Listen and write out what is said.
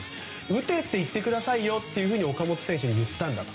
打てって言ってくださいよって岡本選手に言ったんだと。